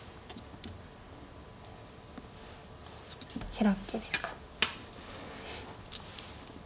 ヒラキですか。